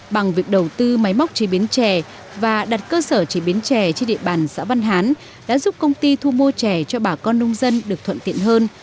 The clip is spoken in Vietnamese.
bằng việc đầu tư máy móc chế biến chè và đặt cơ sở chế biến chè trên địa bàn xã văn hán đã giúp công ty thu mua chè cho bà con nông dân được thuận tiện hơn